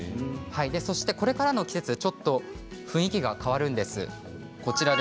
そして、これからの季節ちょっと雰囲気が変わるんです。